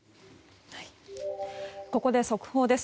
ここで速報です。